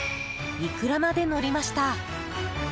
イクラまでのりました。